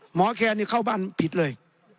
แคนเข้าบ้านปิดเลย